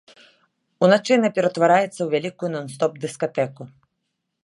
Уначы яна пераўтвараецца ў вялікую нон-стоп дыскатэку!